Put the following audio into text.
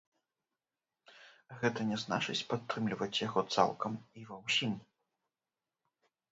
Гэта не значыць падтрымліваць яго цалкам і ва ўсім.